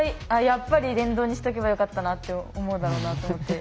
やっぱり電動にしとけばよかったなって思うだろうなと思って。